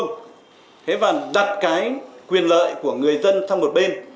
thế và đặt cái quyền lợi của người dân sang một bên